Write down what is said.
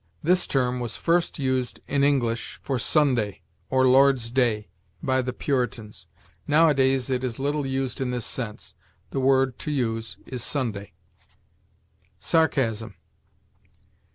This term was first used in English for Sunday, or Lord's day, by the Puritans. Nowadays it is little used in this sense. The word to use is Sunday. SARCASM.